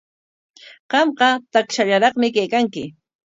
Qamqa takshallaraqmi kaykanki.